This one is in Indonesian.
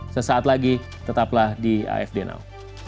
sesaat lagi tetaplah di afd now